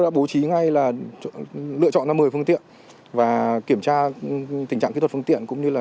đã bố trí ngay là lựa chọn năm mươi phương tiện và kiểm tra tình trạng kỹ thuật phương tiện cũng như là